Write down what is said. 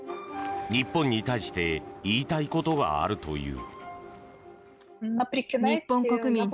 日本に対して言いたいことがあるという。